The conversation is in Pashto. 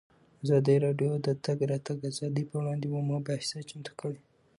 ازادي راډیو د د تګ راتګ ازادي پر وړاندې یوه مباحثه چمتو کړې.